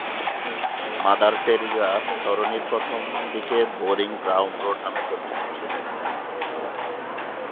Mother Teresa সরণি প্রথমদিকে Burying Ground Road নামে পরিচিত ছিল।